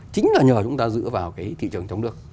chính là nhờ chúng ta dựa vào cái thị trường trong nước